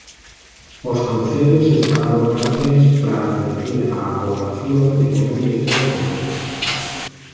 Os concellos instalaron carteis para advertir a poboación de que non lles dean comida.